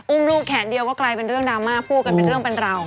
ลูกแขนเดียวก็กลายเป็นเรื่องดราม่าพูดกันเป็นเรื่องเป็นราว